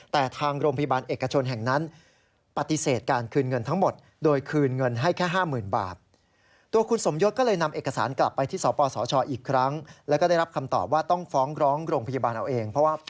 แต่ทางโรงพยาบาลเอกชนแห่งนั้น